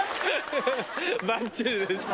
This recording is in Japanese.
ばっちりでした。